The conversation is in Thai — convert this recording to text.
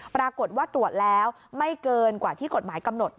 ปรากฏว่าตรวจแล้วไม่เกินกว่าที่กฎหมายกำหนด